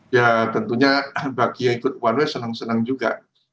ya tentunya bagi yang ikut one way senang senang juga